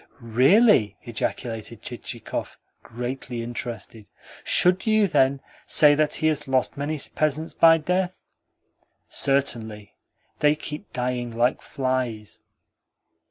"Really?" ejaculated Chichikov, greatly interested. "Should you, then, say that he has lost many peasants by death?" "Certainly. They keep dying like flies."